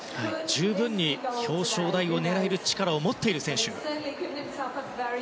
十分に表彰台を狙える力を持っている選手。